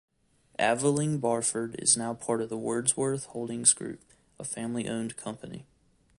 Aveling-Barford is now part of the Wordsworth Holdings Group, a family-owned company.